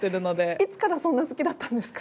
いつからそんなに好きだったんですか？